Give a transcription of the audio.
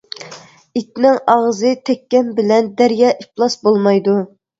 ئىتنىڭ ئاغزى تەككەن بىلەن دەريا ئىپلاس بولمايدۇ.